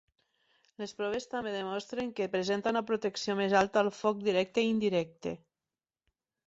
Les proves també demostren que presenta una protecció més alta al foc directe i indirecte.